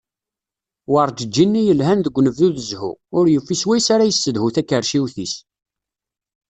Werǧeǧǧi-nni yelhan deg unebdu d zzhu, ur yufi s wayes ara yessedhu takerciwt-is.